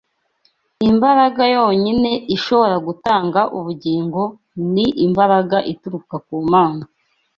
imbaraga yonyine ishobora gutanga ubugingo ni imbaraga ituruka ku Mana.